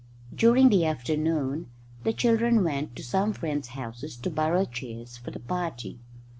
During the afternoon the children went to some friends' houses to borrow chairs for the party.